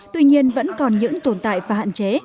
tuy nhiên vẫn còn những tồn tại và hạn chế